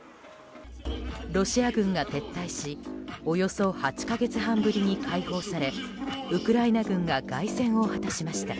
ロシア軍が撤退しおよそ８か月半ぶりに解放されウクライナ軍が凱旋を果たしました。